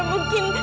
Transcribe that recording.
tidak tidak tidak